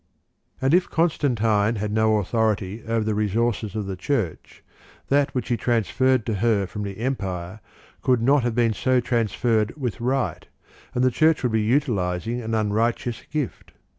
4. And if Constandne had no authority over the resources of the Church, that which he transferred to her from the Empire could not have been so transferred with Right, and the Church would be utilizing an unrighteous gift.